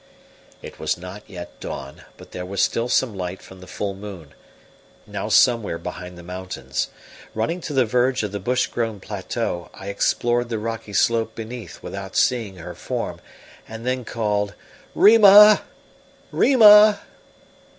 It was not yet dawn, but there was still some light from the full moon, now somewhere behind the mountains. Running to the verge of the bushgrown plateau, I explored the rocky slope beneath without seeing her form, and then called: "Rima! Rima!"